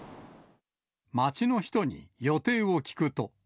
街の人に予定を聞くと。